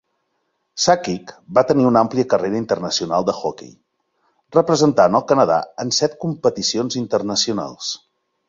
Sakic va tenir una àmplia carrera internacional d'hoquei, representant el Canadà en set competicions internacionals.